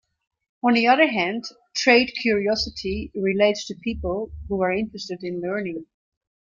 On the other hand, trait curiosity relates to people who are interested in learning.